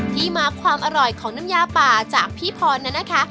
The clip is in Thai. ที่มาความอร่อยของน้ำยาป่าจากพี่พรนั้นนะคะ